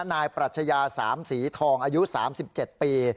ปรัชญา๓สีทองอายุ๓๗ปี